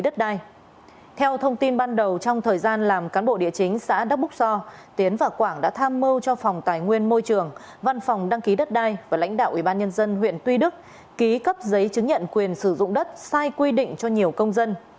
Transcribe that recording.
theo thông tin ban đầu trong thời gian làm cán bộ địa chính xã đắk búc so tiến và quảng đã tham mưu cho phòng tài nguyên môi trường văn phòng đăng ký đất đai và lãnh đạo ubnd huyện tuy đức ký cấp giấy chứng nhận quyền sử dụng đất sai quy định cho nhiều công dân